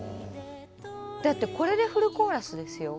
だってこれでフルコーラスですよ。